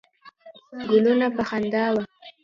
ګلونه په خندا وه.